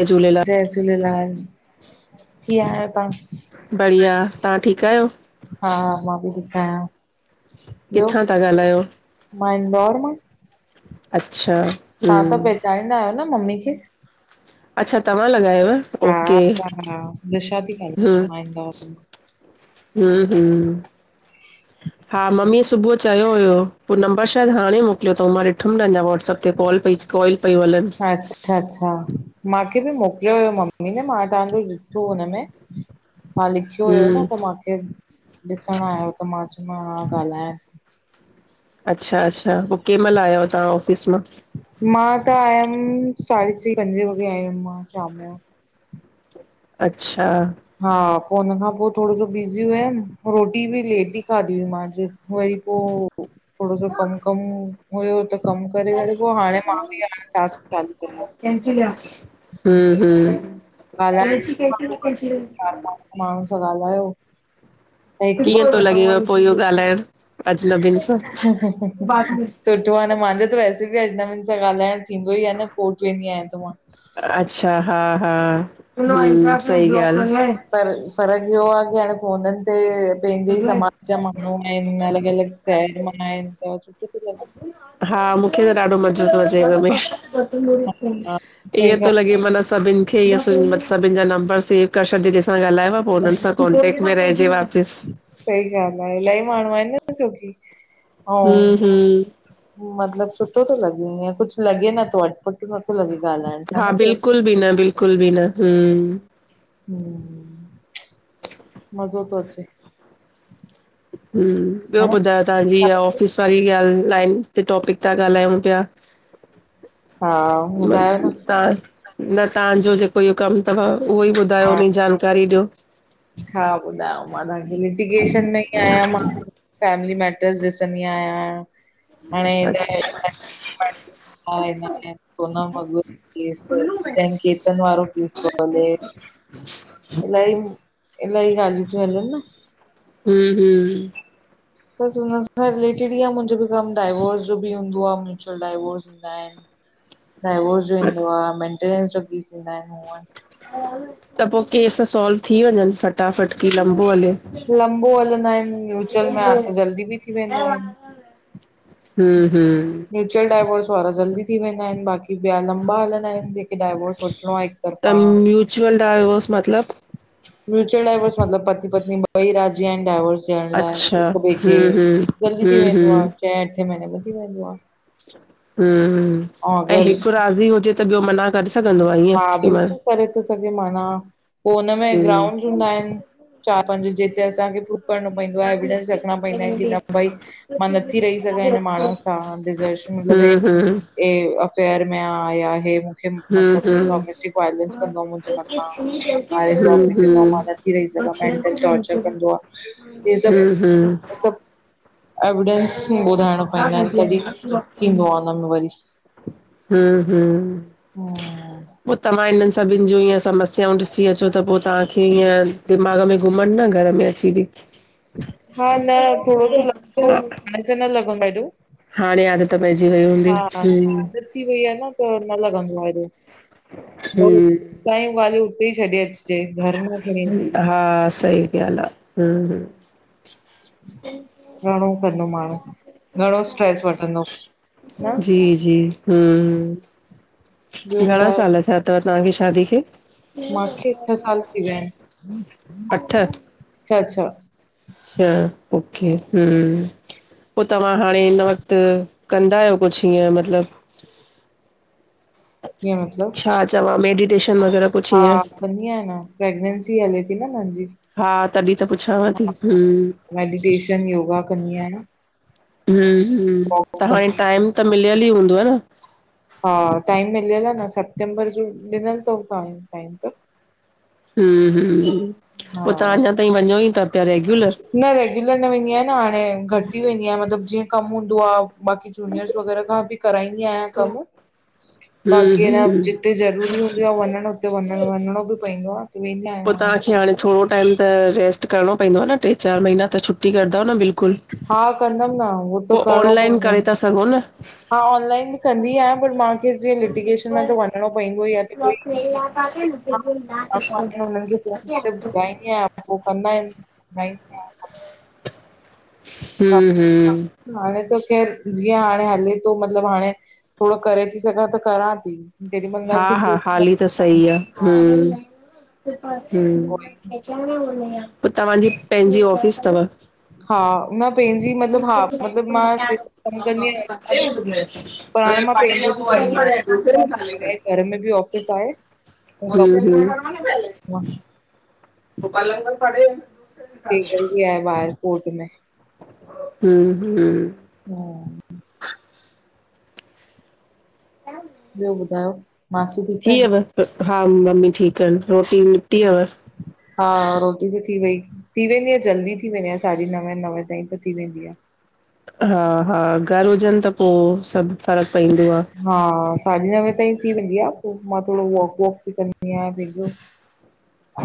जय झूलेलाल जय झूलेलाल। किअं आयो तां बढ़िया। तां ठीक आयो हा मां बि ठीक आहियां ॿियो किथां था ॻालायो मां इंदौर मां अच्छा अच्छा तां त पहचाणीदा आहियो न मम्मी खे अच्छा तव्हां लॻायव हा ओके हा दिशा थी ॻालायां, मां इंदौर मां हुं हुं [inaudible] हा मम्मी सुबुह चयो हुयो पो नंबर शायद हाणे मोकिलियो थऊं। मां ॾिठम न अना वॉट्सअप ते कॉल पई कॉल पई हलन अच्छा- अच्छा!, माखे बि मोकिलियो हुयो मम्मी ने, मां तव्हांजो ॾिठो हुनमें। मां लिखियो हुयो न, हम्म त मांखे ॾिसणु आयो त मां चयो ॻाल्हायांस ती। अच्छा- अच्छा, पो कैं महिल आया आयो तां ऑफ़िस मां? मां त आयमि साढे चई -पंजे वॻे आयम मां शाम जो। अच्छा हा पो हुन खां पो थोड़ो सो बिज़ी हुयमि, रोटी बि लेट ई खाधी हुई मां अॼु। वरी पो थोड़ो सो कमु- कमु हुयो त कमु करे- करे पो हाणे मां बि हाणे टास्क चालू कयो। हम्म- ॻाल्हाइण हम्म चार पांच माण्हुनि सां ॻाल्हायो। त हिकु ॿ कीअं थो लॻेव पो इहो ॻाल्हाइण अजनबियुन सां? सुठो आ न, माहांजो त वैसे बि अजनबियुन सां ॻाल्हाइण थींदो ई आहे न कोर्ट वेंदी आहियां त मां। अच्छा हा हा सही ॻाल। पर फ़र्कु इहो आहे कि हाणे फोनन ते पैंजे ई समाज जा माण्हू आहिन, अलॻि- अलॻि शहर मां आहिन त सुठो थो लॻे। हा मूंखे त ॾाढो मज़ो थो अचे हिनमे, हा ईअं थो लॻे मन सभिन खे ईअं, सभिनिन जा नंबर सेव करे छॾजे जंहिंसा ॻाल्हायो। पो हुनननि सां कॉन्टेक्ट में रहिजे वापिस। सही ॻाल आहे, इलाही माण्हू आहिन न, छोकि हूं अंउ हूं मतलबु सुठो थो लॻे, ईअ कुछ लॻे नथो अटपट नथो लॻे। ॻाल्हाइण सां हा न केर बिल्कुल बि न, बिल्कुल बि न, हम्म हम्म, मज़ो थो अचे। ह ॿियो न ॿुधायो तव्हां जी इहा ऑफिस वारी ॻाल ते टॉपिक ते ॻाल्हायूं प्या? हा ॿुधायो न ता [unintelligible] न तहांजो जेको इहो कमु अथव, उहो ई ॿुधायो हा हुन जी जानकारी ॾियो। छा ॿुधायांव मां तहांखे, लिटीगेशन में ई आहियां मां, फैमिली मैटर्स ॾिसंदी आहियां। हाणे न अच्छा कोन मग के्तन वारो पेस थो हले [unintelligible] इलाही- इलाही ॻाल्हियूं थियूं हलनि न। हम- हम बस हुन सां रिलेटेड ई मुंजो बि कमु, डाईवोर्स जो बि हूंदो आ, म्यूचुअल डाइवोर्स हूंदा आहिन। डाइवोर्स जो ईंदो आ, ऐ मेनटेनेंस जा केस ईंदा आहिन मूं वट। त पो केस सोल्व थी वंञनि फटाफट, कि लंबो हले? लंबो हलंदा आहिन, म्युचल में आ त जल्दी बि थी वेंदा आहिन। हम हम म्यूचुअल डायवोर्स वारा जल्दी थी वेंदा आहिन, बाक़ी ॿिया लंबा हलंदा आहिन, के त म्यूचुअल डायवोर्स मतलब म्यूचुअल डाइवोर्स मतलब पति पत्नी ॿई राजी आहिन डाइवोर्स जे लाए। ॾियंण लाइ अच्छा हिकु ॿिए खे, हम्म हम्म जल्दी थी हम्म वेंदो आ, हम्म छैं अठे महीने में थी वेंदो आ। हम्म, ऐं अगरि हिकु राज़ी हुजे त ॿियो मना करे सघंदो आ ईअं हा कंहिं मइल? बिल्कुलु करे थो सघे मना, पो हुनमें हम्म ग्राउंड हूंदा आहिन, चार पंज जेके असांखे प करणो पइंदो आहे, एविडेंस रखणा पइंदा आहिन, कि न भई मां नथी रही सघां हिन माण्हू हा डिजरशन मतलब हम्म हम्म हे अफेयर में आ या हे हम्म हम्म हम्म डोमेस्टिक वाइलंस कंदोआ मुंजे मथा, मारिंदो आ पिटंदो आ। नदी रही सघां, मेंटल टॉर्चर कंदो आ, हे सभ हम्म हम्म सभ एविडेंस ॿुधाइणा पवंदा आहिन, तॾी थींदो आ हुनमें वरी। हम हम हम्म पो त मां हिनन सभिन जूं ईअं समस्याऊं ॾिसी अचो त पो तव्हांखे ईअं दिमाग़ में घुमन न घर में अची बी। हा न थोड़ो लॻंदो हो हाणे त न लॻंदो आ हेडो। हाणे आदत पैजी वई हूंदी। आदत थी वई आ न त न लॻंदो आ हेॾो, हम्म हुतां जी ॻाल्हियूं उते ई छॾे अच। हा, सही ॻाल्ह आ हम ह घणो कंदो माण्हू, घणो स्ट्रेस वठंदो। न जी-जी, ॿियो हूं घणा ॿुधायो साल थिया तव तव्हांजी शादी खे? मूंखे छह साल अठ अच्छा-अच्छा हा, ओके हूं पो तव्हां हाणे हिन वक़्त कंदा आयो। कुुछ इएं मतलब कीअं मतलब छा चवां? मेडिटेशन वग़ैरह कुछ ईएंं अंधी आयां मां, प्रेगनेंसी हले ती न मुंजी। हा, तॾी त पुछांव ती हम। मेडिटेशन योगा कंदी आहियां न। हूं, हूं त हाणे कंदी आहियां। टाइम त मिलयल ई हूंदव न। हा, टाइम मिलयल आ न सेप्टेंबर जो ॾिनल तन टाइम टाइम त। हूं हूं, पो तव्हां हा अञा ताईं वञो ई ता पिया रेग्युलर। न रेग्युलर न वेंदी आयां न हाणे, घट ई वेंदी आयां मतलब जीअं कम हूंदो आ। बाक़ी जूनियर्स वग़ैरह खां बी कराईंदी आहियां कम। हम्म बाक़ी हम्म अन जिते ज़रूरी हूंदी आ वञण, हुते वञणो बी पवंदो आ वेंदा आहियूं। पो तव्हांखे हाणे थोड़ो टाइम त रेस्ट करणो पईंदो आ न ट्रे चार महीना त छुट्टी कंदव न बिल्कुल। हा, कंदम न हो त करणो पईंदो। करे था सघूं न। हा, ऑनलाइन बी कंदी आयां, पर मांखे जीअं लिटीगेशन में त वञणो ई पईंदो आ त कोई हा माण्हू आहिनि [unintelligible] हुननि खे ॿुधाईंदी आयां, पो कंदा आहिन। [inaudible] हा हम्म हाणे त ख़ैर, जीअं हाणे हले तो मतलब हाणे थोड़ो करे ती सघां त करां ती। हा, हा हाली त सही आ हा हम। हूं, पो तव्हांजी पंहिंजी ऑफिस तव? हा, न पंहिंजी मतलब हा, मतलब मां कम कंदी आयां पर हाणे मां पैंजो बी कंदी आहियां। घर में बी ऑफिस आहे। ऐं हूं हूं, [unintelligible] [unintelligible] आहे ॿाहर कोट में। हूं हूं हा [inaudible] ॿियो ॿुधायो? मासी ठीकु थी आहिनि विमल, हा मम्मी ठीक अन, रोटी निपटी विमल। हा रो थी वई। थी वेंदी आहे जल्दी थी वेंदी आहे साढी नवें नवे ताईं त थी वेंदी आ हा हा घरु हुजनि त पो सभु फ़र्क़ु पईंदो आ हा साढी नवें ताईं थी वेंदी आ, पो मां थोड़ो वॉक-वॉक बि कंदी आहियां पंहिंजो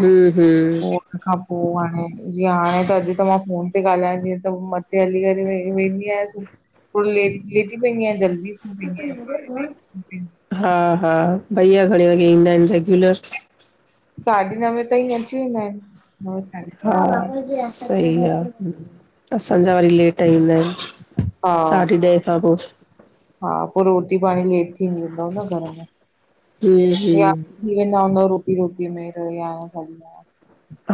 हम्म हम्म हिन खां पो हाणे जीअं हाणे त अॼु त मां फोन ते ॻाल्हाईंदीअसि त मथे हली करे व वेंदी यासु थोड़ो लेट लेटी पईंदीआं जल्दी सुम्ही पईंदी आहियां ॿारहें ताईं सुम्ही पईंदी हा, हा भईया घणे वॻे ईंदा आहिनि रेग्युलर साढी नवें ताईं अची वेंदा आहिनि नवें हा सही आ, असांजा वरी लेट ईंदा आहिनि साढी हा ॾह खां पो हा पो रोटी-पाणी लेट थींदी हूंदव न घर में हुं हूं या थी वेंदा हुंदव रोटी रोज़ीअ में याराह साढी याराह?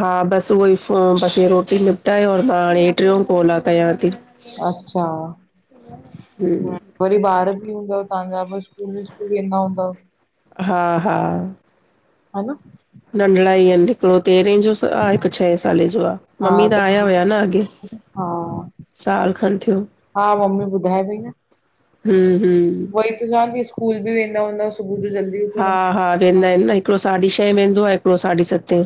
हा बस उहो ई फ़ो बस इह रोटी निपटायो और मां हाणे हेठ वियम कॉल लाइ तैयार थी अच्छा, हूं वरी ॿार बि हूंदव तहांजा ॿ स्कूल विस्कूल वेंदा हूंदव? हा हा। ह न। नंढॾा ही अन। हिकड़ो तेरहें जो स आ हिकु छहें साले जो आ। मम्मी त आहिया हुया न अॻे। हा साल खन थियो। हा मम्मी ॿुधाए पई न। हम्म हम्म उहोई त चवां थी स्कूल बि वेंदा हूंदा सुबुह जो जल्द हा, हा वेंदा आहिनि न हिकड़ो साढी छहें वेंदो आ हिकड़ो साढी सतें।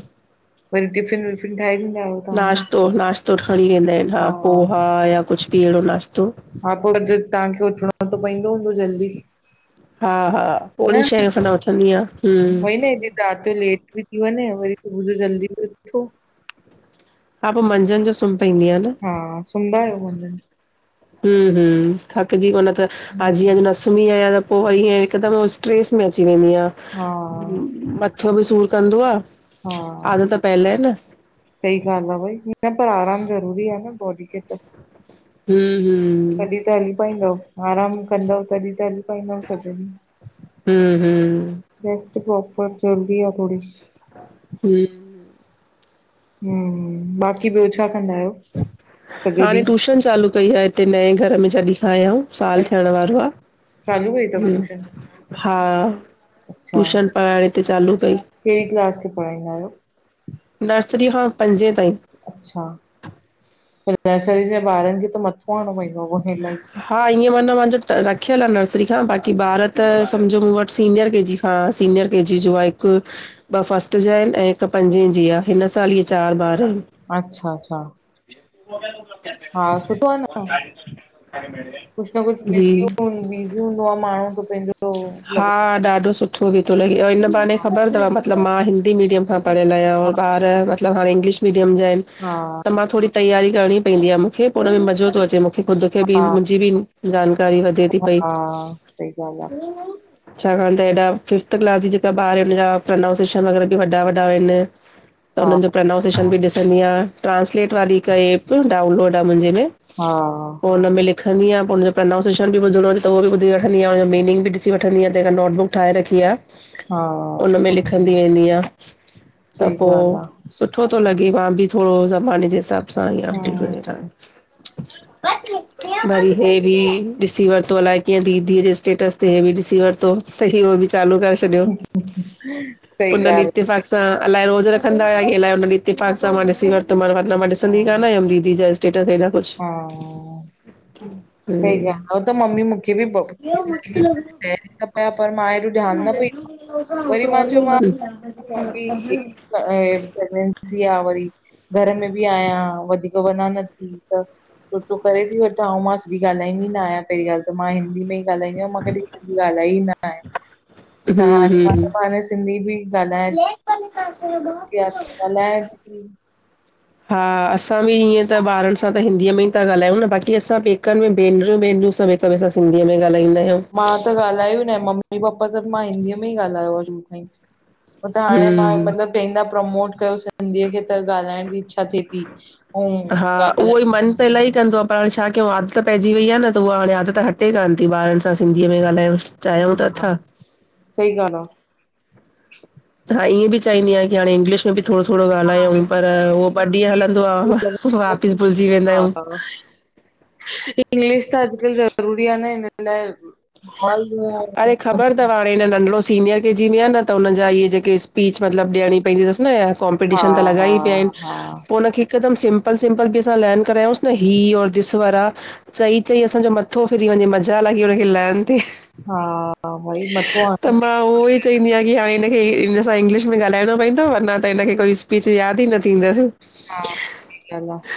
वरी टिफ़िन विफ़िन ठाहे ॾींदा आहियो तव्हां हुननि नाश्तो, नाश्तो खणी वेंदा आहिनि हा खे पोहा या कुछ बि एड़ो नास्तो। हा पो रॼु तहांखे उथणो त पईंदो हूंदो जल्दी? हा, हा पोणी न छहें खन उथंदी आं। वई न हेॾी रात जो लेट बि थी वञे वरी सुबुह जो जल्दी बी उथो। हा पो मंझन जो सुम हा सुंमदा आहियो मंझन जो? हूं, हूं थकजी पो न त हा जीअं अॼु न सुम्ही आहियां त पो वरी हिंअ हिकदम हो स्ट्रेस में अची वेंदी आं। हा मथो बि सूर कंदो आ, हा आदत पयल आ न। सही ॻाल्ह आ भई पर आराम ज़रूरी आ न बॉडी खे। त [inaudible] हूं हुं तॾहिं त हली पाईंदव, आराम कंदव तॾहिं त हली पाए न सघजन, हम्म हम्म वेस्ट के ऊपर चर्बी आ थोड़ी। हूं हूं बाक़ी ॿियो छा कंदा आहियो? सॼो हाणे ॾींहुं, टूशन चालू कई आ हिते नए घर में जॾी खां आयाउं। साल थियण अच्छा वारो आ, चालू कई अथव ट्यूशन? हा। अच्छा ट्यूशन पढ़ाइण हीते चालू कई। कहिड़ी क्लास खे पढ़ाईंदा आयो? नर्सरी खां पंजे ताईं अच्छा, नर्सरी जे ॿारन खे त मथो हणणो प‌एंदो आ इलाही? हा ईअं मना मांजो रखयल आ नर्सरी खां बाक़ी ॿार त सम्झो मूं वट सीनियर के जी हा सीनियर के जी जो आ हिक ॿ फस्ट जा आहिन ऐं हिकु पंजे जी आ हिन साल इहे चार ॿार आहिन। अच्छा- अच्छा। [inaudible] हा सुठो आ न पाण। कुछ न कुछ [unintelligible] जी बिज़ी हूंदो आ माणु त पेंजो हा ॾाढो सुठो बि तो लॻे अए हिन बहाने ख़बर तव मतलब मां हिंदी मीडियम पढ़ियल आयां ॿार मतलब हाणे इंग्लिश मीडियम जा आहिन। हा त मां थोडी़ तैयारी करणी पइंदी आ मुखे पो हुन में मज़ो तो अचे मूखे खुद खे बि हा मुंहिंजी बि जानकारी वधे थी पई हा सही ॻाल आ। छाकण त हेॾा फिफ्थ क्लास जी जेका ॿार आहिनि हुननजा प्रनाउन्सिएशन बि वॾा वॾा आहिन। त आ हुनन जो प्रनाउन्सिएशन बि ॾिसंदी आं ट्रांसलेट वारी हिक एप डाउनलोड आ मुंजे में। हा। पो हुन में लिंखदी आ पो प्रनाउन्सिएशन बि ॿुधणो हुजे त अहो बी ॿुधीवठंदी आ मनिंग बि ॾीसी व वठंदीआ तेखा नोटबुक ठाहे रखी आ हा हा हुन में लिखंदी वेंदी आं। [inaudible] पोइ सुठो थो लॻे मां बि थोॾो ज़माने जे हिसाब सांडेट हम्म वरी हे बि ॾिसी वरतो अलाए कीअं दीदीअ जे स्टेटस बि ॾिसी वरतो त बि चालू करे छॾियो सही उन ॾिहं ॻाल्हि इतिफाक सां अलाए रोज़ रखा की अलाए रीति पा सां मां ॾी वठ मां ॾिसंदी आहे। कान आयमि दीदी ज हा सही ॻाल्हि हम्म आहे त मम्मी मूंखे बि पया पर मां हेॾो ध्यानु न पई ॾ वरी मां चयोम ्रनेंी आहे वरी घर में बि आहियां वधीक वञा न थी। त सोचो करे थी वठां ऐं मां सिंधी ॻाल्हाईंदी न आहियां पहिरीं ॻाल्हि त मां हिंदी में ई ॻाल्हाईंद आहिय मां कॾी बि ॻाल्हाई ई न आहे। त हाणे मां हम्म हाणे सिंधी बि ॻाल्हाय ॻाल्हाए थी। [inaudible] हा असां बि ईअं त ॿारनि सां त हिंदीअ में ई था ॻालायूं न बाक़ी असां पेकनि में भेनरियूं भेनरियूं सभ ॿ अ सां सिंधीअ में ॻाल्हाईा आहियूं। मां त ॻाल्हायो न मम्मी पपा सभु मां हिंदीअ में ई ॻाल्हायो आहे छू ख ई। पोइ त हाणे मां हम्म मतिलबु क ना प्रमोट कयो सिंधीअ खे त ॻाल्हाइण जी इच्छा थिए थी। [inaudible] हा उहो ई मन त इलाही पर हाणे छा कयूं आदत पइजी वई आहे न त उहा हाणे आदत हटे कोन थी ॿार सां सिंधीअ में ॻाल्हायूं चाहियूं ता था। सहीॻाल् आहे। ह ईअं चही आहियांकी हाण इंग्लिश में बि थोॾो -थोॾो ॻाल्हायूं पर उहो ॿ ॾींहं हलंदो आहे वापसि भुलिजी वेंदा आहियूं। हा इंग्लिश त अॼुकल्ह ज़रूरी आहे न हिन लाइ। अड़े ख़बर तथ्ह पर हिन नंढिओ सीनियर के जी में आहे न त हुननि जा इहेक स्पीच मतिलबु ॾियणी पवंद अथस न इ हा कॉम्पिटिशन त लॻा हा ई पिया आहिन, हा पो उनखे हिकदम सिंपल-सिंपल बि असां लैन करायोस न ही और दिस वारा। चई, चई असांजो मथो फिरी वञे मज़ाल आ कि हुनखे लर्न थे। हा भई मथो मां उहो ई चईंदी आ की हाणे हिनखे इनसां इंग्लिश में ॻाल्हाइणो पवंदो, अञा त हिनखे कोई स्पीच याद ई न थींदस। हा, [unintelligible]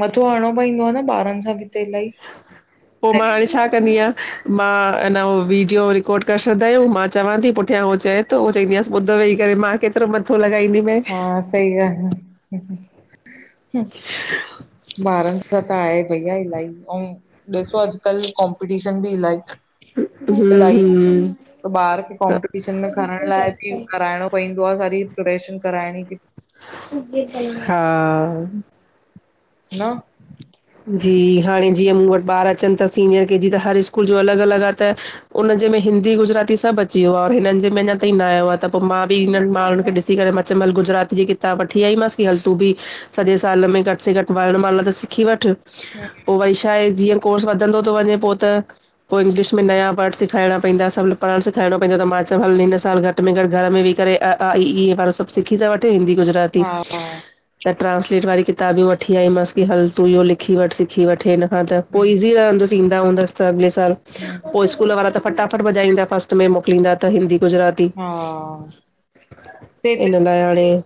मथो हणणो पईंदो आ न ॿारन सां बी त इलाही। पो मां हाणे छा कंदी आं। मां अना हो वीडियो रिकॉड करे छॾंदा आयूं, मां चवां ती पुठियां हो चएतो, चवंदी आयांस ॿुध वेही करे मां केतरो मथो लॻाईंदियूं। हा, सही ॻाल। ॿारन सां त आहे भईया इलाही उ ॾिसो अॼकल कॉम्पिटीशन बि इलाही हम इलाही हम त ॿार खे कॉम्पिटीशन में खणण लाइ बी कराइणो पईंदो आ सारी पप्रेशन कराइणी ती पए। हा न जी, हाणे जीअं मूं वट ॿार अचन ता सीनियर के जी त हर स्कूल जो अलॻ अलॻ आ त उनजे में हिंदी गुजराती सभ अची वियो आ और हिनन जे में अञा ताईं न आयो आ। त पो मां बी इनन माणुन खे ॾिसी करे मां चेमल गुजरातीअ जी किताब वठी आई मांस कि हल तूं बी सॼे साल में घट से घट वाल माल त सिखी वठ। पो वरी छाहे, जीअं कोर्स वधंदो तो वञे पो त पो इंगलिश में नया वर्ड सेखाइणा पईंदा सभ पढ़ण सेखारणो पईंदो, त मां चयो हल हिन साल घट घट में घट घर में वेही करे अ, आ, इ, ई हे सभ सिखी त वठे हिंदी गु हा त ट्रांसलेट वारी किताब बी वठी आई मांस, कि हल तूं इहो लिख सिखी वठ सिखी वठ हिन खां त पो हम्म ईज़ी रहंदुस ईंदा वेंदास त अॻले साल। हम्म पो स्कूल वारा त फटाफट भॼाईंदा फस्ट में मोकिलींदा त हिंदी गुजराती। हा ते इन लाइ हाणे